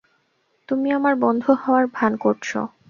তুমি আমার বন্ধু হওয়ার ভান করছো!